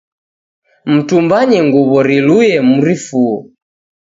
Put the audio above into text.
Mtumbanye nguw'o rilue mrifuo